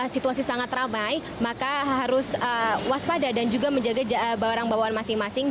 situasi sangat ramai maka harus waspada dan juga menjaga barang bawaan masing masing